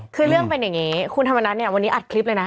คือเรื่องเป็นอย่างนี้คุณธรรมนัฐเนี่ยวันนี้อัดคลิปเลยนะ